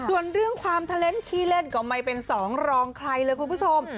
ส่วนเรื่องความทะเลนส์ขี้เล่นก็ไม่เป็นสองรองใครเลยคุณผู้ชม